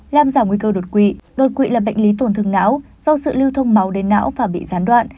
làm giảm nguy cơ đột quỵ đột quỵ là bệnh lý tổn thương não do sự lưu thông máu đến não và bị gián đoạn